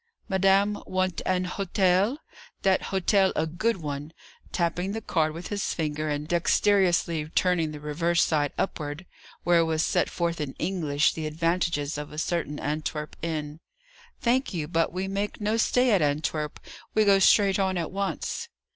"Madame want an hot el? That hot el a good one," tapping the card with his finger, and dexterously turning the reverse side upward, where was set forth in English the advantages of a certain Antwerp inn. "Thank you, but we make no stay at Antwerp; we go straight on at once."